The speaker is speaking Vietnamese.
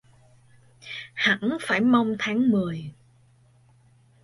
Hẳng phải mong tháng mười.